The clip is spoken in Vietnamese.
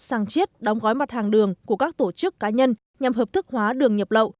sang chiết đóng gói mặt hàng đường của các tổ chức cá nhân nhằm hợp thức hóa đường nhập lậu